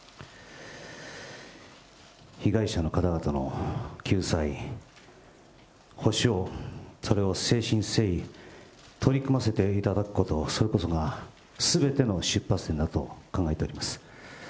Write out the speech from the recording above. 被害者の方々の救済、補償、それを誠心誠意取り組ませていただくこと、それこそがすべての出発点だと考えております。